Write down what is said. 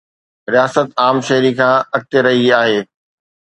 رياست عام شهري کان اڳتي رهي آهي.